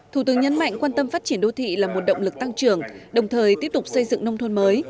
thủ tướng nhấn mạnh quan tâm phát triển đô thị là một động lực tăng trưởng đồng thời tiếp tục xây dựng nông thôn mới